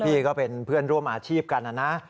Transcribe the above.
ก็เป็นเพื่อนร่วมอาชีพกันนะนะ